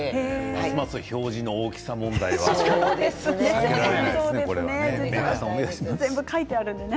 ますます表示の大きさ問題は避けられないですね。